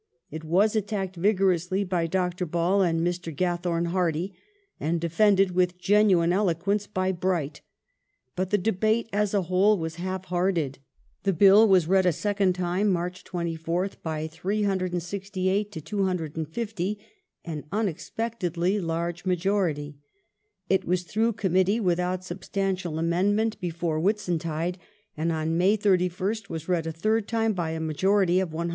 It was attacked vigorously by Dr. Ball and Mr. Gathorne Hardy and defended with genuine eloquence by Bright ; but, the debate as a whole, was half hearted. The Bill was read a second time (March 24th) by 368 to 250, an unex pectedly large majority.^ It was through Committee, without substantial amendment, before Whitsuntide, and on May 31st was read a third time by a majority of 114.